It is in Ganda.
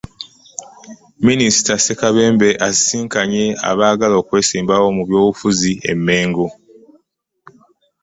Minisita Ssekabembe asisinkanye abaagala okwesimbawo mu by'obufuzi e Mmengo